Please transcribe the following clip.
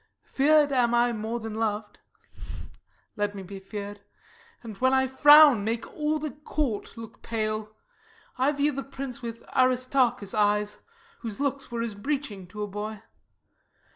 Fear'd am I more than lov'd; let me be fear'd, And, when I frown, make all the court look pale. I view the prince with Aristarchus' eyes, Whose looks were as a breeching to a boy.